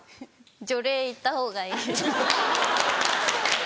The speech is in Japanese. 除霊行ったほうがいい。